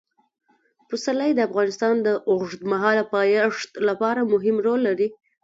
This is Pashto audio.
پسرلی د افغانستان د اوږدمهاله پایښت لپاره مهم رول لري.